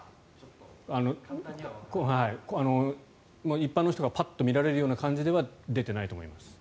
一般の人がパッと見られるような感じでは出てないと思います。